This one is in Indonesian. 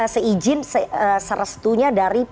seijin serestunya dari